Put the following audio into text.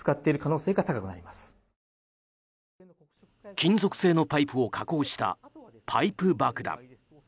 金属製のパイプを加工したパイプ爆弾。